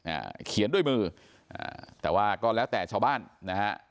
อ่าเขียนด้วยมืออ่าแต่ว่าก็แล้วแต่ชาวบ้านนะฮะ